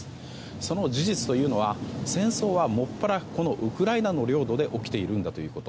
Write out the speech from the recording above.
その事実というのは戦争はもっぱらウクライナの領土で起きているんだということ。